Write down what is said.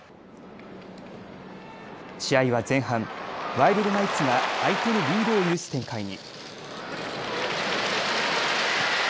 試合は前半、ワイルドナイツが相手にリードを許す展開に。